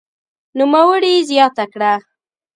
نوموړي زياته کړه